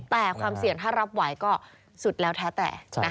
แต่ความเสี่ยงถ้ารับไหวก็สุดแล้วแท้แต่